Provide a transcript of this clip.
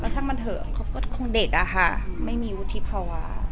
ช่างมันเถอะเขาก็คงเด็กอะค่ะไม่มีวุฒิภาวะ